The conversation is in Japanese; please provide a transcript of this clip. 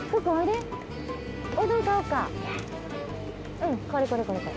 うんこれこれこれこれ。